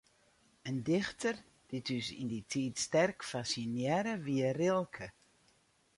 In dichter dy't ús yn dy tiid sterk fassinearre, wie Rilke.